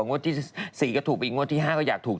งวดที่๔ก็ถูกอีกงวดที่๕ก็อยากถูก